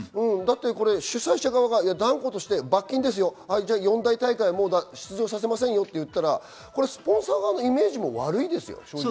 主催者側が罰金です、四大大会出場させませんと言ったらスポンサー側のイメージも悪いですよ。